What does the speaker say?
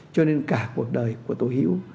cho nên cả cuộc đời của tôi hữu